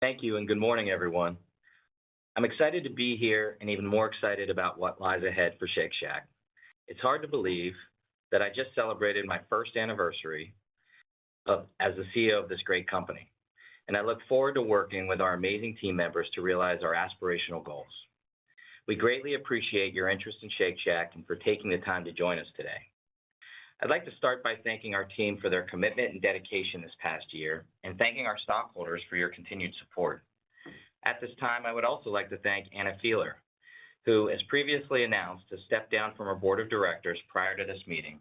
Thank you, and good morning, everyone. I'm excited to be here, and even more excited about what lies ahead for Shake Shack. It's hard to believe that I just celebrated my first anniversary as the CEO of this great company, and I look forward to working with our amazing team members to realize our aspirational goals. We greatly appreciate your interest in Shake Shack and for taking the time to join us today. I'd like to start by thanking our team for their commitment and dedication this past year, and thanking our stockholders for your continued support. At this time, I would also like to thank Anna Fieler, who, as previously announced, has stepped down from our board of directors prior to this meeting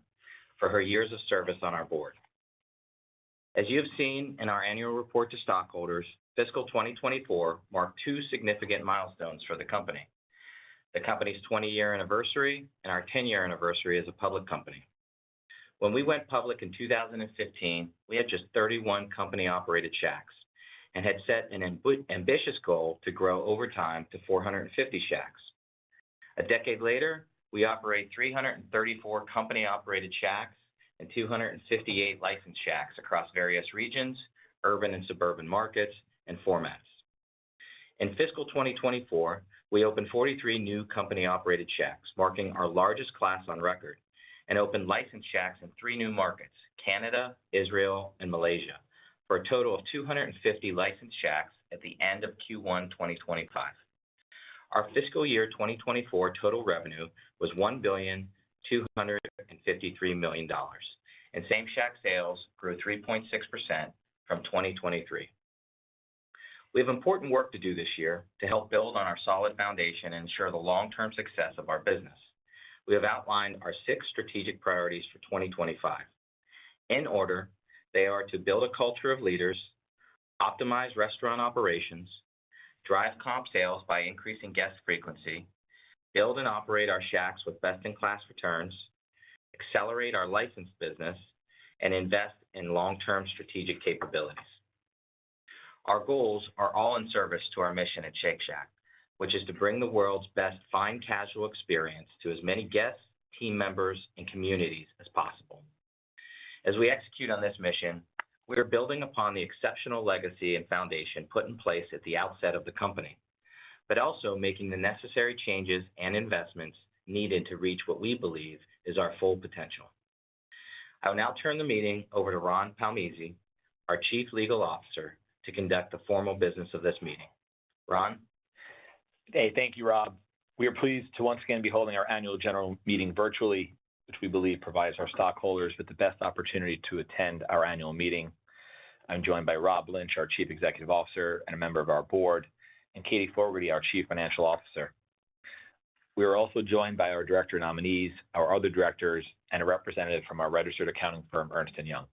for her years of service on our board. As you have seen in our annual report to stockholders, fiscal 2024 marked two significant milestones for the company: the company's 20-year anniversary and our 10-year anniversary as a public company. When we went public in 2015, we had just 31 company-operated shacks and had set an ambitious goal to grow over time to 450 shacks. A decade later, we operate 334 company-operated shacks and 258 licensed shacks across various regions, urban and suburban markets, and formats. In fiscal 2024, we opened 43 new company-operated shacks, marking our largest class on record, and opened licensed shacks in three new markets: Canada, Israel, and Malaysia, for a total of 250 licensed shacks at the end of Q1 2025. Our fiscal year 2024 total revenue was $1,253 million, and same-shack sales grew 3.6% from 2023. We have important work to do this year to help build on our solid foundation and ensure the long-term success of our business. We have outlined our six strategic priorities for 2025. In order, they are to build a culture of leaders, optimize restaurant operations, drive comp sales by increasing guest frequency, build and operate our shacks with best-in-class returns, accelerate our licensed business, and invest in long-term strategic capabilities. Our goals are all in service to our mission at Shake Shack, which is to bring the world's best fine casual experience to as many guests, team members, and communities as possible. As we execute on this mission, we are building upon the exceptional legacy and foundation put in place at the outset of the company, but also making the necessary changes and investments needed to reach what we believe is our full potential. I will now turn the meeting over to Ron Palmese, our Chief Legal Officer, to conduct the formal business of this meeting. Ron? Hey, thank you, Rob. We are pleased to once again be holding our annual general meeting virtually, which we believe provides our stockholders with the best opportunity to attend our annual meeting. I'm joined by Rob Lynch, our Chief Executive Officer and a member of our board, and Katie Fogertey, our Chief Financial Officer. We are also joined by our director nominees, our other directors, and a representative from our registered accounting firm, Ernst & Young.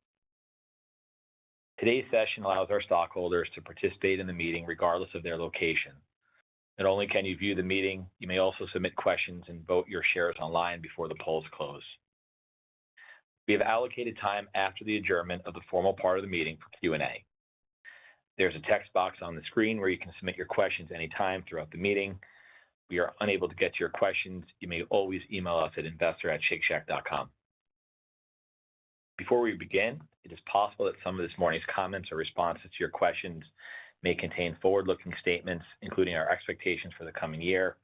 Today's session allows our stockholders to participate in the meeting regardless of their location. Not only can you view the meeting, you may also submit questions and vote your shares online before the polls close. We have allocated time after the adjournment of the formal part of the meeting for Q&A. There's a text box on the screen where you can submit your questions at any time throughout the meeting. If we are unable to get to your questions, you may always email us at investor@shakeshack.com. Before we begin, it is possible that some of this morning's comments or responses to your questions may contain forward-looking statements, including our expectations for the coming year,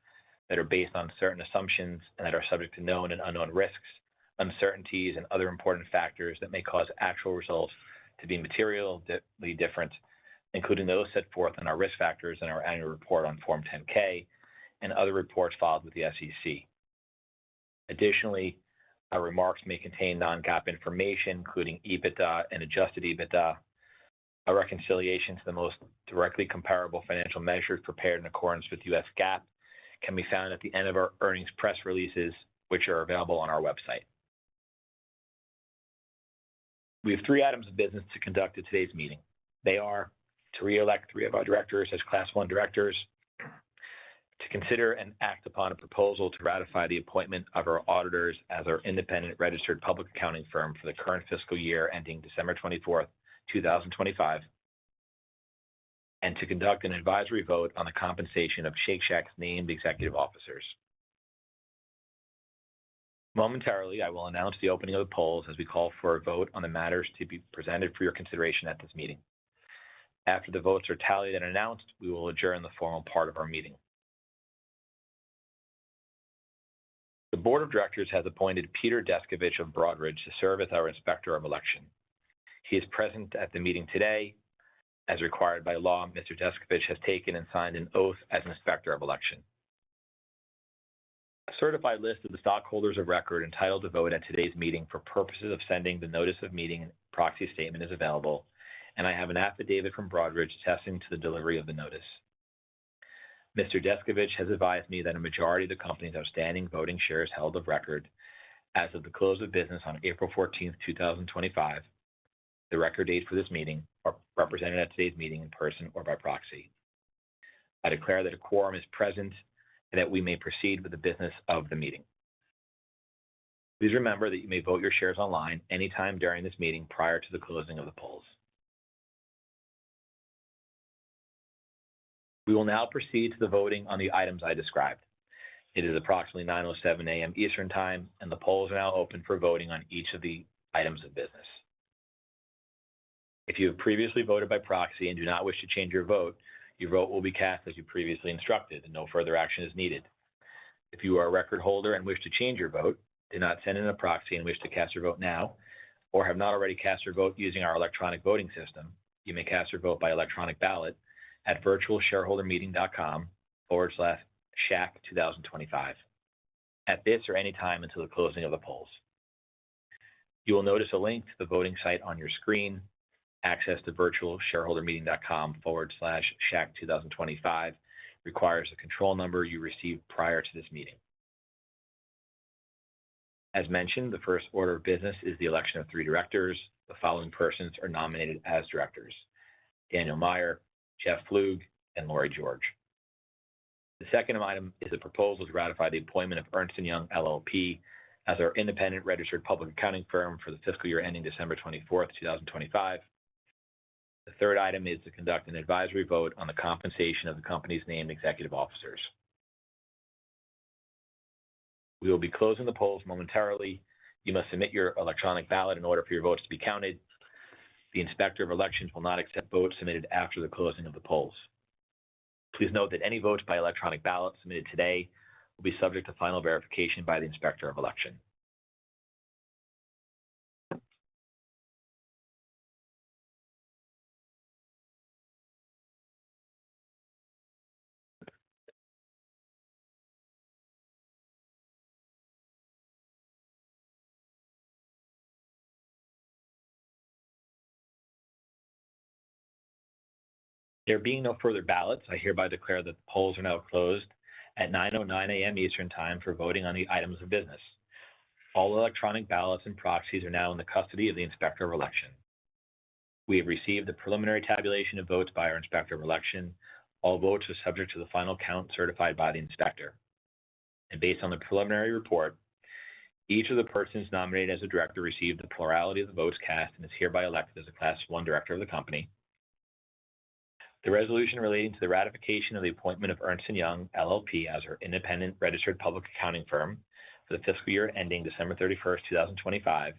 that are based on certain assumptions and that are subject to known and unknown risks, uncertainties, and other important factors that may cause actual results to be materially different, including those set forth in our risk factors in our annual report on Form 10-K and other reports filed with the SEC. Additionally, our remarks may contain non-GAAP information, including EBITDA and adjusted EBITDA. A reconciliation to the most directly comparable financial measures prepared in accordance with U.S. GAAP can be found at the end of our earnings press releases, which are available on our website. We have three items of business to conduct at today's meeting. They are to re-elect three of our directors as Class 1 directors, to consider and act upon a proposal to ratify the appointment of our auditors as our independent registered public accounting firm for the current fiscal year ending December 24, 2025, and to conduct an advisory vote on the compensation of Shake Shack's named executive officers. Momentarily, I will announce the opening of the polls as we call for a vote on the matters to be presented for your consideration at this meeting. After the votes are tallied and announced, we will adjourn the formal part of our meeting. The board of directors has appointed Peter Descovich of Broadridge to serve as our inspector of election. He is present at the meeting today. As required by law, Mr. Descovich has taken and signed an oath as an inspector of election. A certified list of the stockholders of record entitled to vote at today's meeting for purposes of sending the notice of meeting and proxy statement is available, and I have an affidavit from Broadridge attesting to the delivery of the notice. Mr. Descovich has advised me that a majority of the company's outstanding voting shares held of record as of the close of business on April 14, 2025, the record date for this meeting, are represented at today's meeting in person or by proxy. I declare that a quorum is present and that we may proceed with the business of the meeting. Please remember that you may vote your shares online anytime during this meeting prior to the closing of the polls. We will now proceed to the voting on the items I described. It is approximately 9:07 A.M. Eastern Time, and the polls are now open for voting on each of the items of business. If you have previously voted by proxy and do not wish to change your vote, your vote will be cast as you previously instructed, and no further action is needed. If you are a record holder and wish to change your vote, do not send in a proxy and wish to cast your vote now, or have not already cast your vote using our electronic voting system, you may cast your vote by electronic ballot at virtualshareholdermeeting.com/shack2025 at this or any time until the closing of the polls. You will notice a link to the voting site on your screen. Access to virtualshareholdermeeting.com/shack2025 requires a control number you received prior to this meeting. As mentioned, the first order of business is the election of three directors. The following persons are nominated as directors: Daniel Meyer, Jeff Flug, and Lori George. The second item is a proposal to ratify the appointment of Ernst & Young LLP as our independent registered public accounting firm for the fiscal year ending December 24, 2025. The third item is to conduct an advisory vote on the compensation of the company's named executive officers. We will be closing the polls momentarily. You must submit your electronic ballot in order for your votes to be counted. The inspector of election will not accept votes submitted after the closing of the polls. Please note that any votes by electronic ballot submitted today will be subject to final verification by the inspector of election. There being no further ballots, I hereby declare that the polls are now closed at 9:09 A.M. Eastern Time for voting on the items of business. All electronic ballots and proxies are now in the custody of the inspector of election. We have received the preliminary tabulation of votes by our inspector of election. All votes are subject to the final count certified by the inspector. Based on the preliminary report, each of the persons nominated as a director received the plurality of the votes cast and is hereby elected as a Class 1 director of the company. The resolution relating to the ratification of the appointment of Ernst & Young LLP as our independent registered public accounting firm for the fiscal year ending December 31, 2025,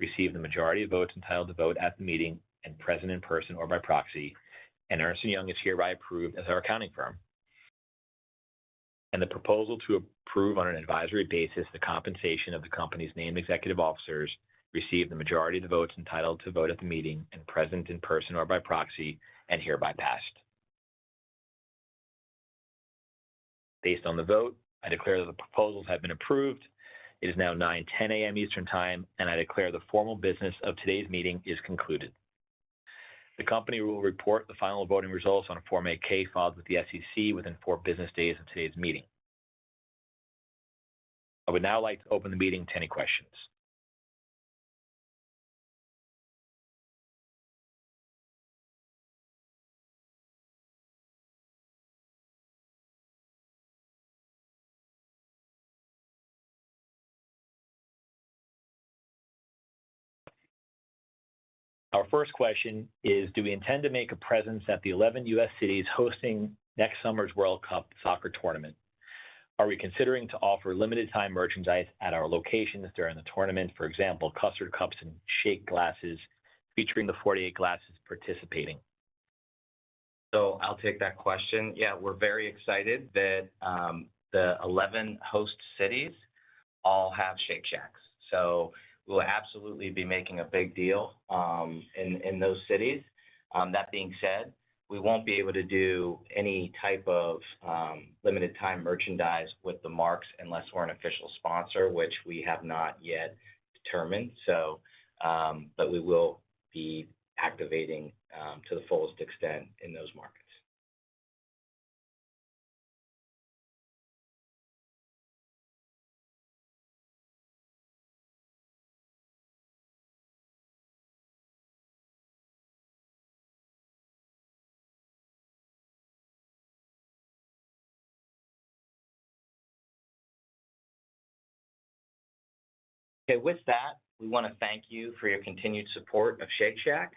received the majority of votes entitled to vote at the meeting and present in person or by proxy, and Ernst & Young is hereby approved as our accounting firm. The proposal to approve on an advisory basis the compensation of the company's named executive officers received the majority of the votes entitled to vote at the meeting and present in person or by proxy, and hereby passed. Based on the vote, I declare that the proposals have been approved. It is now 9:10 A.M. Eastern Time, and I declare the formal business of today's meeting is concluded. The company will report the final voting results on Form 8-K filed with the SEC within four business days of today's meeting. I would now like to open the meeting to any questions. Our first question is, do we intend to make a presence at the 11 U.S. cities hosting next summer's World Cup soccer tournament? Are we considering to offer limited-time merchandise at our locations during the tournament, for example, custard cups and shake glasses featuring the 48 glasses participating? I'll take that question. Yeah, we're very excited that the 11 host cities all have Shake Shacks. We'll absolutely be making a big deal in those cities. That being said, we won't be able to do any type of limited-time merchandise with the marks unless we're an official sponsor, which we have not yet determined. We will be activating to the fullest extent in those markets. Okay, with that, we want to thank you for your continued support of Shake Shack.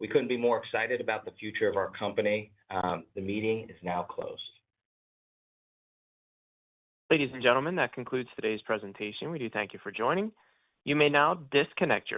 We couldn't be more excited about the future of our company. The meeting is now closed. Ladies and gentlemen, that concludes today's presentation. We do thank you for joining. You may now disconnect.